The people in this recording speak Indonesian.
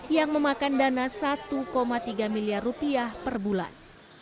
yang memakan dana satu tiga miliar rupiah per bulan